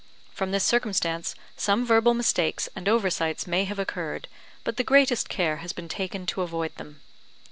From this circumstance some verbal mistakes and oversights may have occurred, but the greatest care has been taken to avoid them.